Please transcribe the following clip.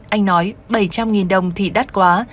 anh nói bảy trăm linh đồng thì đắt quá